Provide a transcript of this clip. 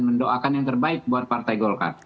mendoakan yang terbaik buat partai golkar